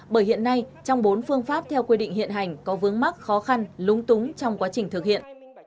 bởi hiện nay trong bốn phương pháp theo quy định hiện hành có vướng mắc khó khăn lúng túng trong quá trình thực hiện